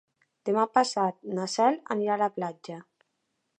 Demà passat na Cel anirà a la platja.